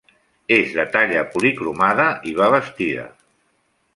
És de talla policromada i va vestida.